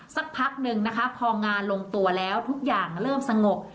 สักพักนึงนะคะพองานลงตัวแล้วทุกอย่างเริ่มสงบ